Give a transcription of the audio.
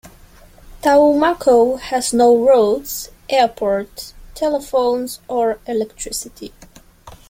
Taumako has no roads, airport, telephones, or electricity.